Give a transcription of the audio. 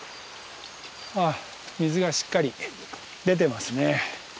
あっ水がしっかり出てますね。